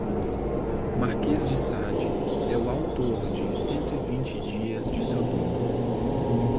Marquês de Sade é o autor de cento e vinte dias de sodoma